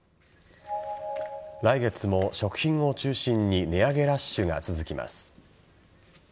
来月も食品を中心に値上げラッシュが続きます。